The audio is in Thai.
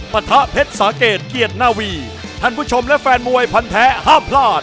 ปะทะเพชรสาเกตเกียรตินาวีท่านผู้ชมและแฟนมวยพันแท้ห้ามพลาด